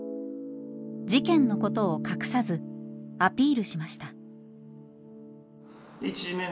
事件のことを隠さずアピールしました。